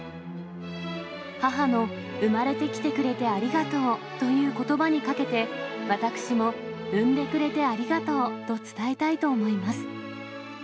母の生まれてきてくれてありがとうということばにかけて、私も生んでくれてありがとうと伝えたいと思います。